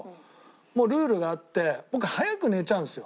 もうルールがあって僕早く寝ちゃうんですよ